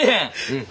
うん。